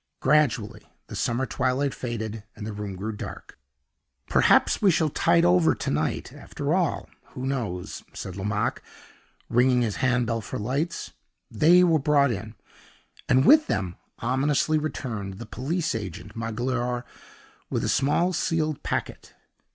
Gradually the summer twilight faded, and the room grew dark. "Perhaps we shall tide over to night, after all who knows?" said Lomaque, ringing his handbell for lights. They were brought in, and with them ominously returned the police agent Magloire with a small sealed packet.